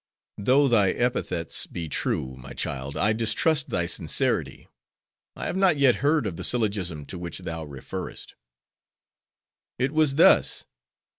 "Though thy epithets be true, my child, I distrust thy sincerity. I have not yet heard of the syllogism to which thou referrest." "It was thus.